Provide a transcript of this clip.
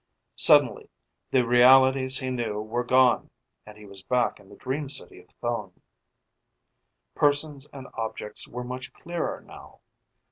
Suddenly the realities he knew were gone and he was back in the dream city of Thone. Persons and objects were much clearer now.